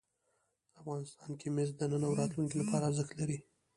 افغانستان کې مس د نن او راتلونکي لپاره ارزښت لري.